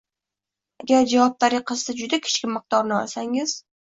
Agar javob tariqasida juda kichik miqdorni olsangiz.